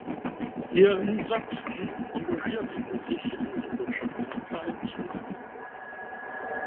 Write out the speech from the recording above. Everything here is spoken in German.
Hier in Sachsen engagierte er sich im landwirtschaftlichen Vereinswesen.